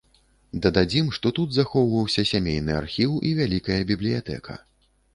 Дададзім, што тут захоўваўся сямейны архіў і вялікая бібліятэка.